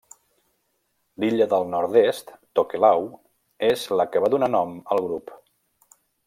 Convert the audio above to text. L'illa del nord-est, Tokelau, és la que va donar nom al grup.